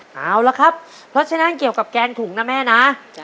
เอาละครับเพราะฉะนั้นเกี่ยวกับแกงถุงนะแม่นะ